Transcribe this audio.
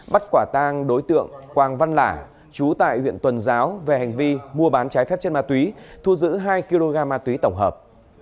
bắt quả tang đối tượng quang văn lả chú tại huyện tuần giáo về hành vi mua bán trái phép chất ma túy thu giữ hai kg ma túy tổng hợp